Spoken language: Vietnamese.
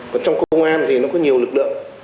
và trong công an thì nó có nhiều lực lượng